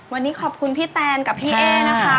วันนี้ขอบคุณพี่แตนกับพี่เอ๊นะคะ